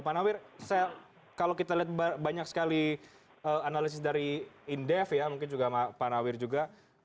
pak nawir kalau kita lihat banyak sekali analisis dari indef ya mungkin juga pak nawir juga